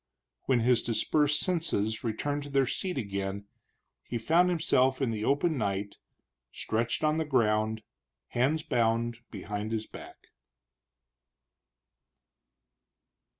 When his dispersed senses returned to their seat again, he found himself in the open night, stretched on the ground, hands bound behind his back.